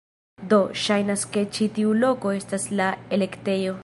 Do, ŝajnas ke ĉi tiu loko estas la elektejo